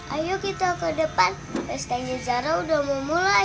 ayo kita ke depan pestanya zara udah mau mulai